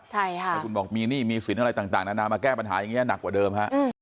ใช่ค่ะแต่คุณบอกมีหนี้มีสินอะไรต่างต่างนะนามาแก้ปัญหาอย่างงี้นักกว่าเดิมฮะ